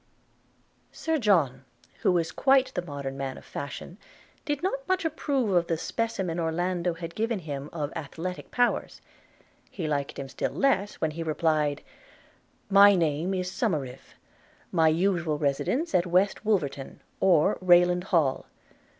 Sir John, who was quite the modern man of fashion, did not much approve of the specimen Orlando had given him of athletic powers: – he like him still less when he replied – 'My name is Somerive – my usual residence at West Wolverton, or Rayland Hall.